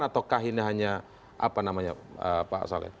atau kah ini hanya apa namanya pak saleh